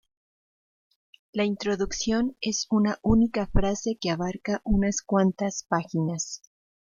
La introducción es una única frase que abarca unas cuantas páginas.